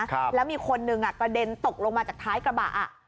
ครับแล้วมีคนหนึ่งอ่ะกระเด็นตกลงมาจากท้ายกระบะอ่ะ